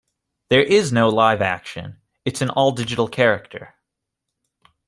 There is no live action; it's an all-digital character.